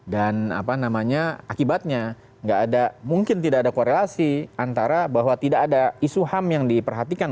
dan akibatnya mungkin tidak ada korelasi antara bahwa tidak ada isu ham yang diperhatikan